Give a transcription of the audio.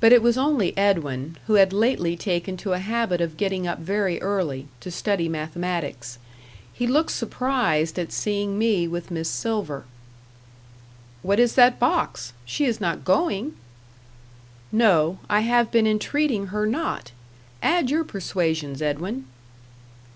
But it was only Edwin, who had lately taken to a habit of getting up very early, to study mathematics. He looked surprised at seeing me with Miss Silver. "What is that box? She is not going?" "No; I have been entreating her not. Add your persuasions, Edwin."